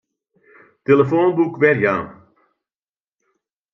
Tillefoanboek werjaan.